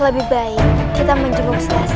lebih baik kita menjenguk selasi